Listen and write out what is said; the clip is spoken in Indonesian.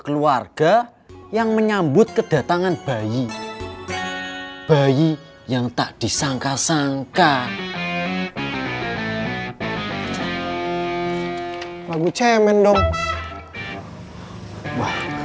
keluarga yang menyambut kedatangan bayi bayi yang tak disangka sangka lagu cemen dong